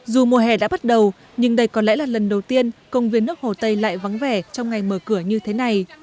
dù mùa hè đã bắt đầu nhưng đây có lẽ là lần đầu tiên công viên nước hồ tây lại vắng vẻ trong ngày mở cửa như thế này